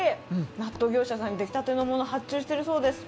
納豆業者さんに出来たてのものを発注しているそうです。